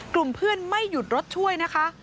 กลุ่มเพื่อนไม่หยุดรถช่วยนะคะ